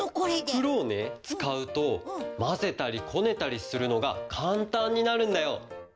ふくろをねつかうとまぜたりこねたりするのがかんたんになるんだよ。